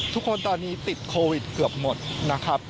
ทุกคนตอนนี้ติดโควิดเกือบหมดนะครับ